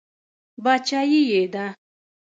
باچایي یې ده.